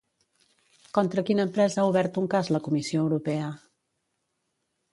Contra quina empresa ha obert un cas la Comissió Europea?